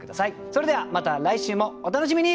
それではまた来週もお楽しみに。